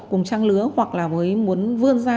cùng trang lứa hoặc là muốn vươn ra